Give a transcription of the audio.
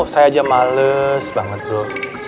saya aja males banget tuh